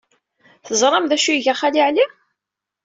Teẓram d acu ay iga Xali Ɛli?